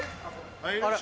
あら？